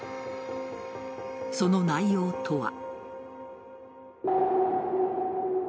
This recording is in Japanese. その内容とは。